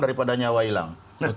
daripada nyawa hilang